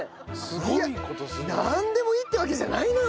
いやなんでもいいってわけじゃないのよ